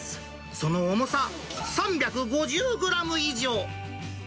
その重さ、３５０グラム以上。